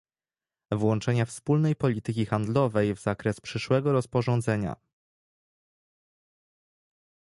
włączenia wspólnej polityki handlowej w zakres przyszłego rozporządzenia